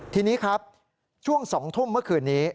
ทีนี้ครับช่วง๒ทุ่มเมื่อคืนนี้